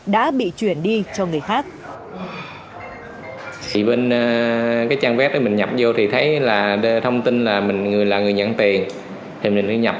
đã bị đăng nhập